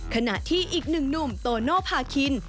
ขณะที่อีกหนึ่งหนุ่มโตโนภาคิน